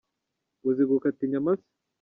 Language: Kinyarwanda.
Uzi gukata inyama se?